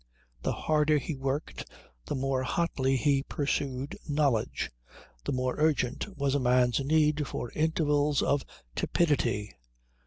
The harder he worked, the more hotly he pursued knowledge, the more urgent was a man's need for intervals of tepidity.